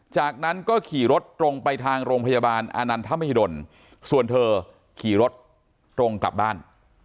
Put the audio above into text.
จากนั้นก็ขี่รถตรงไปทางโรงพยาบาลอานันทมหิดลส่วนเธอขี่รถตรงกลับบ้าน